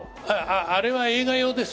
あれは映画用です。